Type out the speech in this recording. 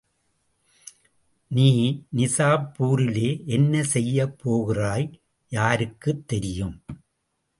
நீ நிசாப்பூரிலே என்ன செய்யப் போகிறாய்? யாருக்குத் தெரியும்?